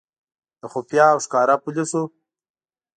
د خفیه او ښکاره پولیسو.